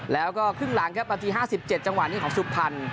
แล้วก็ครึ่งหลังครับอาทิตย์๕๗จังหวัดนี้ของสุภัณฑ์